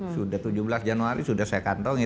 sudah tujuh belas januari sudah saya kantongi